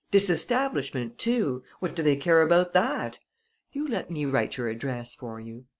Disestablishment too what do they care about that! You let me write your address for you.